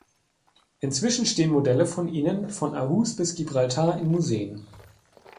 Inzwischen stehen Modelle von ihnen von Aarhus bis Gibraltar in Museen.